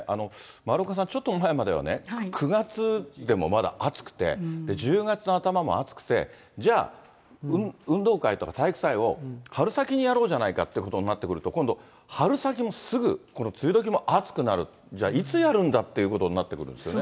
丸岡さん、ちょっと前までは９月でもまだ暑くて、１０月の頭も暑くて、じゃあ、運動会とか体育祭を春先にやろうじゃないかってことになってくると、今度、春先もすぐ、今度梅雨どきも暑くなる、じゃあいつやるんだということになりますよね。